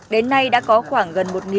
đến nay đã có khoảng gần một triệu đồng